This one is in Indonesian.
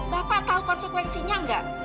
bapak tahu konsekuensinya enggak